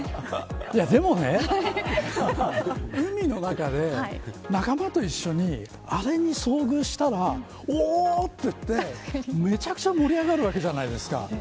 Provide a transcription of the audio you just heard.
でもね海の中で、仲間と一緒にあれに遭遇したらおおっ、って言ってめちゃくちゃ盛り上がるじゃないですか。